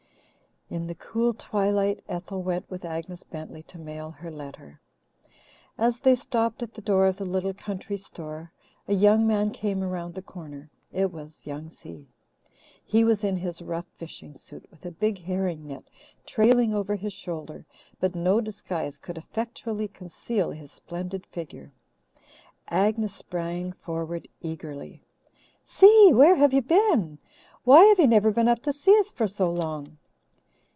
In the cool twilight Ethel went with Agnes Bentley to mail her letter. As they stopped at the door of the little country store, a young man came around the corner. It was Young Si. He was in his rough fishing suit, with a big herring net trailing over his shoulder, but no disguise could effectually conceal his splendid figure. Agnes sprang forward eagerly. "Si, where have you been? Why have you never I been up to see us for so long?"